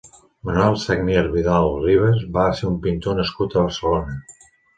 Manuel Sagnier Vidal-Ribas va ser un pintor nascut a Barcelona.